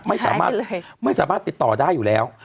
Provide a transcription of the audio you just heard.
ไม่สามารถไม่สามารถติดต่อได้อยู่แล้ว